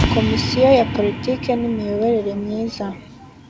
Komisiyo ya Politiki n Imiyoborere Myiza